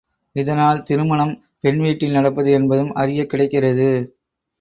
இதனால் திருமணம் பெண் வீட்டில் நடப்பது என்பதும் அறியக் கிடைக்கிறது.